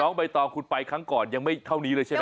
ใบตองคุณไปครั้งก่อนยังไม่เท่านี้เลยใช่ไหม